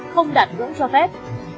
không đạt ngưỡng cho phép